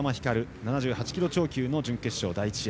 ７８キロ超級の準決勝第１試合。